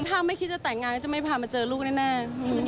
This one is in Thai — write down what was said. ถ้าไม่คิดจะแต่งงานก็จะไม่พามาเจอลูกแน่